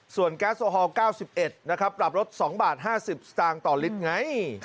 ส่วนแก๊สโอฮอล๙๑นะครับปรับลด๒บาท๕๐สตางค์ต่อลิตรไง